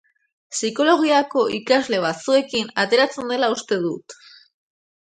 Psikologiako ikaskide batzuekin ateratzen dela uste dut.